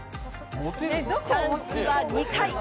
チャンスは２回。